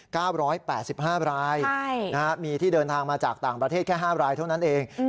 เก้าร้อยแปดสิบห้ารายใช่นะฮะมีที่เดินทางมาจากต่างประเทศแค่ห้ารายเท่านั้นเองอืม